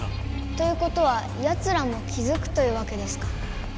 ということはヤツらも気づくというわけですか。